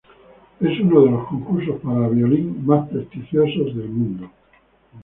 Es uno de los concursos para violín más prestigiosos del mundo.